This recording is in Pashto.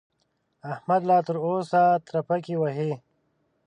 احمد لا تر اوسه ترپکې وهي.